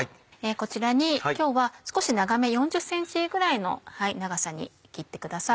こちらに今日は少し長め４０ｃｍぐらいの長さに切ってください。